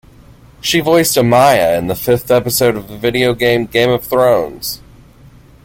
She voiced Amaya in the fifth episode of the video game "Game of Thrones".